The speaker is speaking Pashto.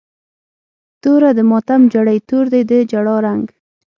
توره د ماتم جړۍ، تور دی د جړا رنګ